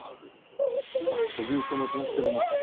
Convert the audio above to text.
徳光と申しますけども。